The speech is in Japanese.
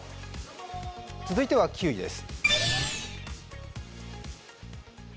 続いては９位です。